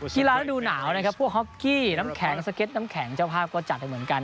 กีฬาระดูกหนาวพวกฮอคกี้น้ำแข็งสเก็ตน้ำแข็งเจ้าภาพก็จัดเหมือนกัน